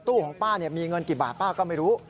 ของป้ามีเงินกี่บาทป้าก็ไม่รู้